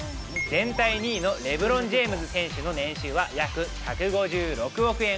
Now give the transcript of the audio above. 全体２位のレブロン・ジェームズ選手の年収は約１５６億円。